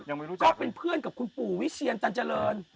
รู้จักก็เป็นเพื่อนกับคุณปู่วิเชียรตันเจริญ